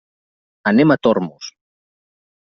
Anem a Tormos.